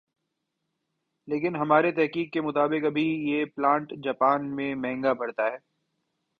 لیکن ہماری تحقیق کے مطابق ابھی یہ پلانٹ جاپان میں مہنگا پڑتا ھے